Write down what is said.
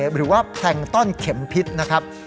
หรือว่าแพลงต้อนเข็มพิษนะครับ